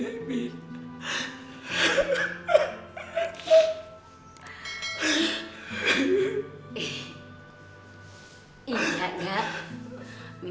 olga pengen mencintai nenek min